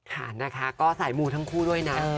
ค่ะนะคะก็สายมูทั้งคู่ด้วยนะ